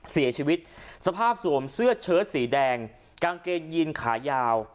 เสียชีวิตสภาพสวมเสื้อเชิดสีแดงกางเกงยีนขายาว